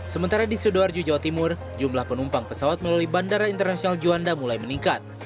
sementara di sidoarjo jawa timur jumlah penumpang pesawat melalui bandara internasional juanda mulai meningkat